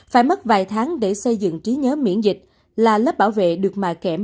phải mất vài tháng để xây dựng trí nhớ miễn dịch là lớp bảo vệ được mà kém